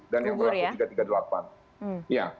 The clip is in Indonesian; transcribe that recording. dan yang berlaku tiga ratus tiga puluh delapan